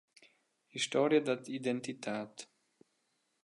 Historia dat identitad.